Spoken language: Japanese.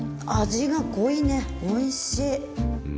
味が濃いねおいしい。